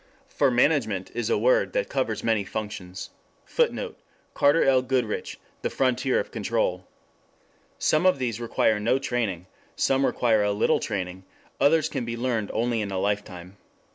For management is a word that covers many functions. [Footnote: Cf. Carter L. Goodrich, The Frontier of Control.] Some of these require no training; some require a little training; others can be learned only in a lifetime.